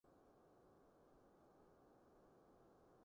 非常輕巧方便